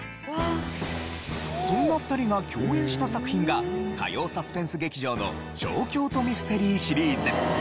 そんな２人が共演した作品が火曜サスペンス劇場の『小京都ミステリー』シリーズ。